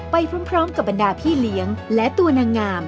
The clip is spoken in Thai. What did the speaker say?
ไปพร้อมกับบรรดาพี่เลี้ยงและตัวนางงาม